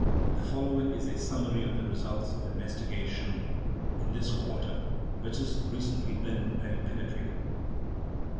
The following is a summary of the results of investi gation in this quarter, which has recently been very penetrating : I.